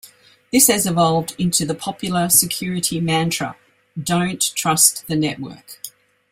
This has evolved into the popular security mantra, Don't trust the network.